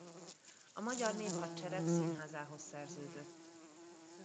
A Magyar Néphadsereg Színházához szerződött.